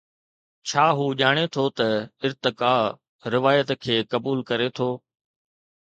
ڇا هو ڄاڻي ٿو ته ارتقاء روايت کي قبول ڪري ٿو؟